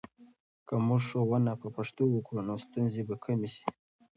که موږ ښوونه په پښتو وکړو، نو ستونزې به کمې سي.